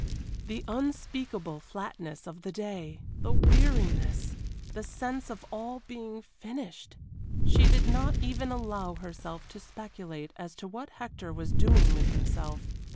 The unspeakable flatness of the day! The weariness! The sense of all being finished! She did not even allow herself to speculate as to what Hector was doing with himself.